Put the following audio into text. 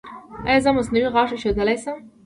ایا زه مصنوعي غاښ ایښودلی شم؟